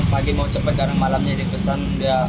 pagi mau cepat karena malamnya dipesan